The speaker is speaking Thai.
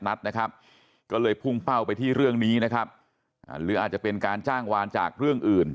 นัดนะครับก็เลยพุ่งเป้าไปที่เรื่องนี้นะครับหรืออาจจะเป็นการจ้างวานจากเรื่องอื่น